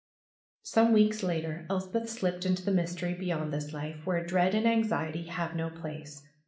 Some Aveeks later Elspeth slipped into the mystery be yond this life, where dread and anxiety have no place.